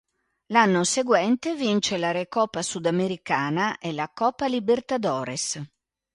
L'anno seguente vince la Recopa Sudamericana e la Coppa Libertadores.